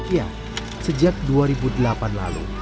ya sejak dua ribu delapan lalu